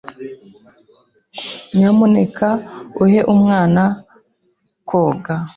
Nyamuneka uhe umwana koga.